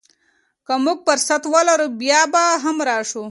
که موږ فرصت ولرو، بیا به هم راشو.